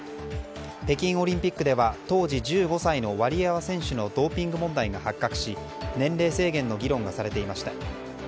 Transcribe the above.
北京オリンピックでは当時１５歳のワリエワ選手のドーピング問題が発覚し年齢制限の議論がされていました。